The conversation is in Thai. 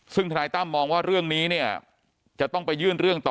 ซึ่งธนายตั้มมองว่าเรื่องนี้เนี่ยจะต้องไปยื่นเรื่องต่อ